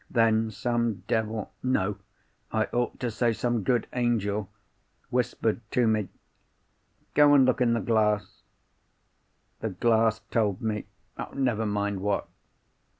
Then, some devil—no, I ought to say some good angel—whispered to me, 'Go and look in the glass.' The glass told me—never mind what.